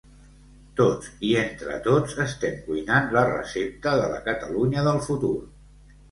Tots i entre tots estem cuinant la recepta de la Catalunya del futur.